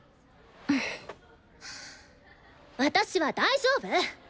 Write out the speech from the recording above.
私は大丈夫！